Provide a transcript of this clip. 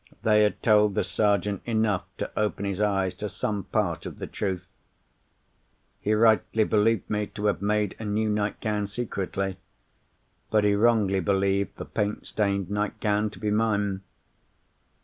They had told the Sergeant enough to open his eyes to some part of the truth. He rightly believed me to have made a new nightgown secretly, but he wrongly believed the paint stained nightgown to be mine.